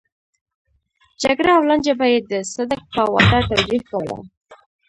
جګړه او لانجه به يې د صدک په واده توجيه کوله.